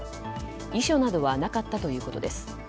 遺書などはなかったということです。